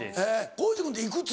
皇治君っていくつ？